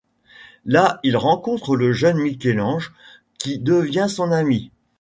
Là il rencontre le jeune Michel-Ange qui devient son ami.